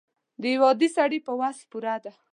د یو عادي سړي په وس پوره ده.